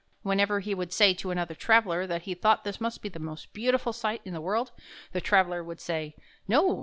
Whenever he would say to another traveler that he thought this must be the most beautiful sight in the world, the traveler would say: " No.